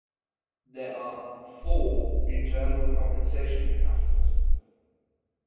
There are "four" internal compensation capacitors.